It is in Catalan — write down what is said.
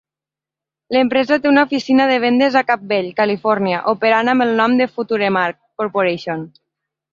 L'empresa té una oficina de vendes a Campbell (Califòrnia) operant amb el nom de Futuremark Corporation.